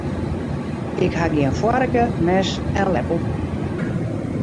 Ik ha gjin foarke, mes en leppel.